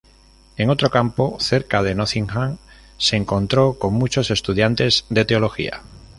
En otro campo, cerca de Nottingham, se encontró con muchos estudiantes de teología.